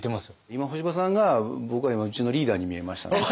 今干場さんが僕は今うちのリーダーに見えましたね。